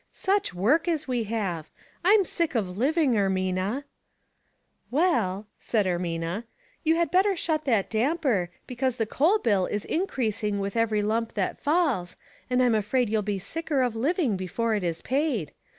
Such work as we have I I'm sick of living, Ermina !" "Well," said Ermina, "you had better shut that damper, because the coal bill is increasing with every lump that falls, and I'm afraid you'll be sicker of living before it is paid.